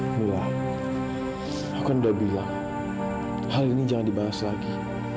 aku bilang aku kan udah bilang hal ini jangan dibahas lagi